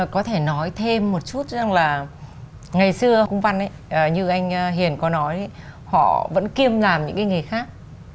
có thể nói thêm một chút rằng là ngày xưa cung văn ấy như anh hiền có nói họ vẫn kiêm làm những cái nghề khác